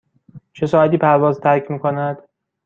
چه ساعتی پرواز ترک می کند؟